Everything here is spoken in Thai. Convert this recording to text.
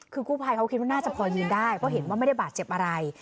คือกู้ภัยเขาคิดว่าน่าจะพอยืนได้เพราะเห็นว่าไม่ได้บาดเจ็บอะไร